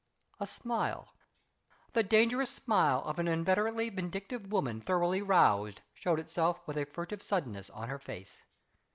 A smile the dangerous smile of an inveterately vindictive woman thoroughly roused showed itself with a furtive suddenness on her face.